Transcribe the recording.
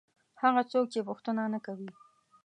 هغه څوک چې پوښتنه نه کوي.